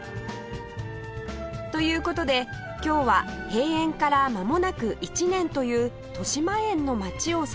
という事で今日は閉園からまもなく１年というとしまえんの街を散歩します